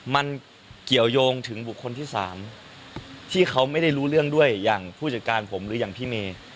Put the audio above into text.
มันเกี่ยวยงถึงบุคคลที่๓ที่เขาไม่ได้รู้เรื่องด้วยอย่างผู้จัดการผมหรืออย่างพี่เมย์